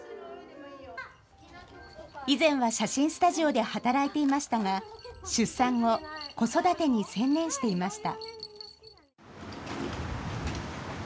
以前は写真スタジオで働いていましたが出産後子育てに専念していました。